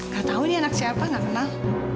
gak tau nih anak siapa gak kenal